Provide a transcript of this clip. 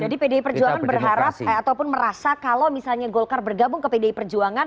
jadi pdi perjuangan berharap ataupun merasa kalau misalnya golkar bergabung ke pdi perjuangan